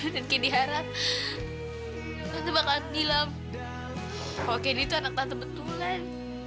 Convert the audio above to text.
candy harap tante bakal bilang kalau candy anak tante betulan